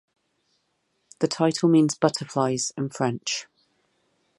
The title means 'butterflies' in French.